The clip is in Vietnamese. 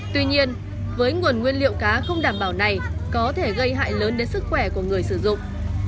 tuy nhiên với nguồn nguyên liệu cá không đảm bảo này có thể gây hại lớn đến sức khỏe của người sử dụng